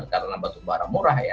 karena batu bara murah ya